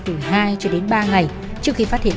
từ hai cho đến ba ngày trước khi phát hiện